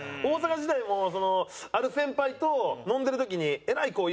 大阪時代もそのある先輩と飲んでる時にえらい